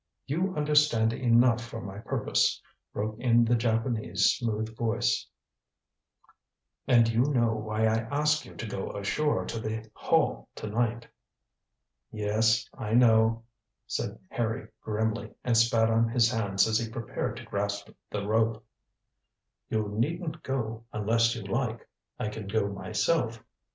"You understand enough for my purpose," broke in the Japanese smooth voice; "and you know why I ask you to go ashore to the Hall to night." "Yes, I know," said Harry grimly, and spat on his hands as he prepared to grasp the rope. "You needn't go unless you like. I can go myself.